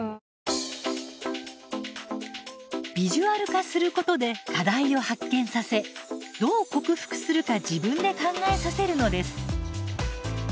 ビジュアル化することで課題を発見させどう克服するか自分で考えさせるのです。